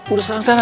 udah sekarang sana